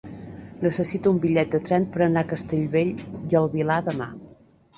Necessito un bitllet de tren per anar a Castellbell i el Vilar demà.